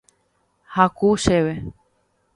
Haku chéve.